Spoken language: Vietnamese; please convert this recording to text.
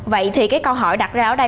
vậy thì cái câu hỏi đặt ra ở đây